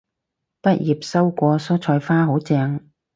畢業收過蔬菜花，好正